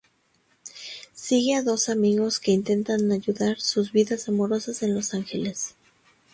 Sigue a dos amigos que intentan ayudar sus vidas amorosas en Los Ángeles.